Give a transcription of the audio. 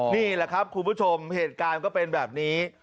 นี่แหละครับคุณผู้ชมเหตุการณ์ก็เป็นแบบนี้